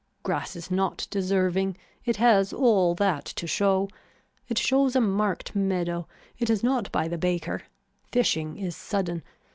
Grass is not deserving. It has all that to show. It shows a marked meadow. It is not by the baker. Fishing is sudden.